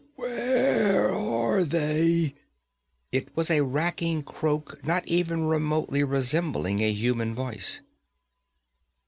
'Where are they?' It was a racking croak not even remotely resembling a human voice.